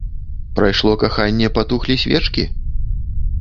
Прайшло каханне, патухлі свечкі?